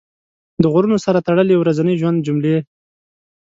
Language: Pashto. د غرونو سره تړلې ورځني ژوند جملې